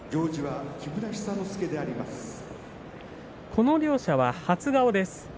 この両者は初顔です。